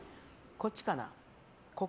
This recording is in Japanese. こっちかな？